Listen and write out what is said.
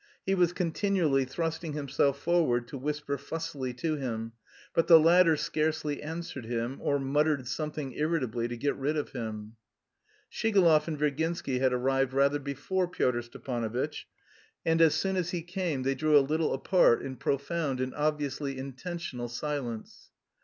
He was continually thrusting himself forward to whisper fussily to him, but the latter scarcely answered him, or muttered something irritably to get rid of him. Shigalov and Virginsky had arrived rather before Pyotr Stepanovitch, and as soon as he came they drew a little apart in profound and obviously intentional silence.